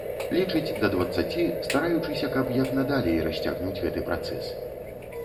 Лічыць да дваццаці, стараючыся, каб як надалей расцягнуць гэты працэс.